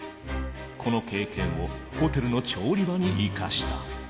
この経験をホテルの調理場に生かした。